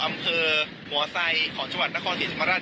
อำเภอหัวไซของจังหวัดนครศรีธรรมราช